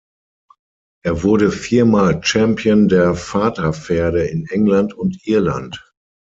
Er wurde vier Mal Champion der Vaterpferde in England und Irland.